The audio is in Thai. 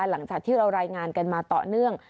หลังจากที่เรารายงานกันมาต่อเนื่อง